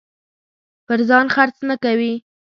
پر ځان خرڅ نه کوي.